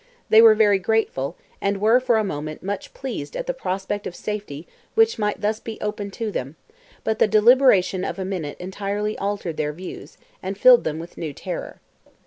They were very grateful, and were, for a moment, much pleased at the prospect of safety which might thus be opened to them, but the deliberation of a minute entirely altered their views, and filled them with new terror.